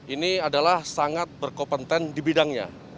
ini adalah sangat berkompetensi di bidangnya